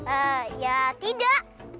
eh ya tidak